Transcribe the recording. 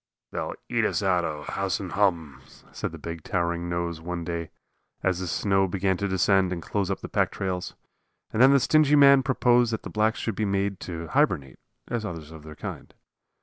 "They'll eat us out o' house and hum," said the big, towering nose one day, as the snow began to descend and close up the pack trails. And then the stingy man proposed that the blacks should be made to hibernate, as others of their kind.